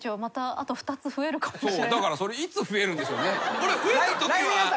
それいつ増えるんでしょうね？